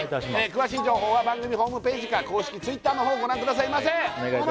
詳しい情報は番組ホームページか公式Ｔｗｉｔｔｅｒの方ご覧くださいませお願いいたします